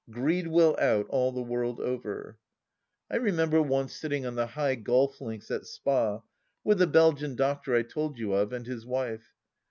Greed will out, all the world over I I remember once sitting on the high golf links at Spa — with the Belgian doctor I told you of, and his wife.